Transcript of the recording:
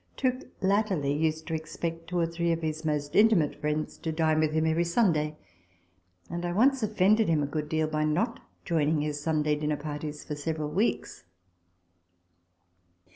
Tooke latterly used to expect two or three of his most intimate friends to dine with him every Sunday ; and I once offended him a good deal by not joining his Sunday dinner parties for several weeks.